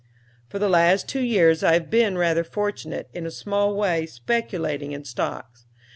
] "'For the last two years I have been rather fortunate, in a small way, speculating in stocks.